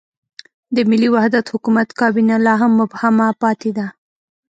د ملي وحدت حکومت کابینه لا هم مبهمه پاتې ده.